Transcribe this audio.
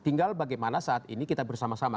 tinggal bagaimana saat ini kita bersama sama